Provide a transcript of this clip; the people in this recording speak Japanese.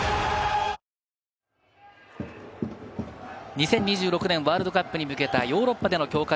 ２０２６年ワールドカップに向けたヨーロッパでの強化